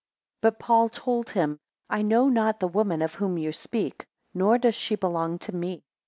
3 But Paul told him, I know not the woman of whom you speak, nor does she belong to me.